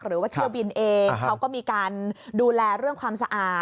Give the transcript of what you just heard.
หรือว่าเที่ยวบินเองเขาก็มีการดูแลเรื่องความสะอาด